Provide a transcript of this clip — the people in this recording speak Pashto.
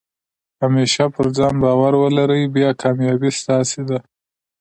همېشه پر ځان بارو ولرئ، بیا کامیابي ستاسي ده.